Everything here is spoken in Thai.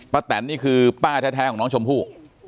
แตนนี่คือป้าแท้ของน้องชมพู่